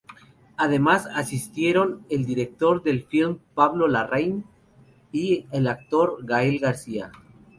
Además, asistieron el director del filme Pablo Larraín y el actor Gael García.